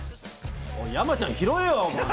山ちゃん拾えよ！